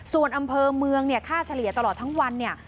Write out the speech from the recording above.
ส่วนอำเภอเมืองเนี่ยค่าเฉลี่ยตลอดทั้งวันเนี่ย